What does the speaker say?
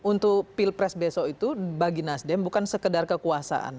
untuk pilpres besok itu bagi nasdem bukan sekedar kekuasaan